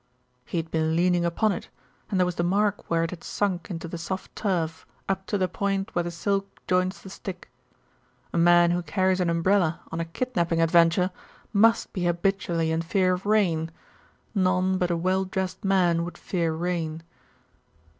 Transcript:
"He had been leaning upon it, and there was the mark where it had sunk into the soft turf up to the point where the silk joins the stick. A man who carries an umbrella on a kidnapping adventure must be habitually in fear of rain none but a well dressed man would fear rain.